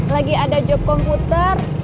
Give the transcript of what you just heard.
lagi ada job komputer